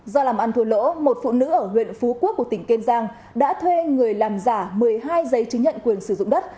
do làm ăn thua lỗ một phụ nữ ở huyện phú quốc của tỉnh kiên giang đã thuê người làm giả một mươi hai giấy chứng nhận quyền sử dụng đất